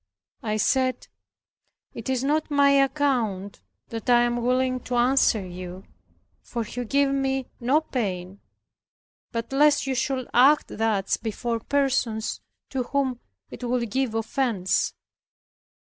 I said, "It is not my account that I am willing to answer you, for you give me no pain, but lest you should act thus before persons to whom it would give offence.